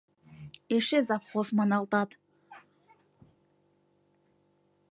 Эше завхоз маналтат.